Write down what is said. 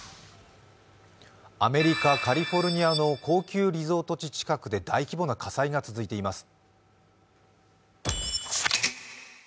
アメリカカリフォルニアの高級リゾート地近くで大規模な火災が続いています。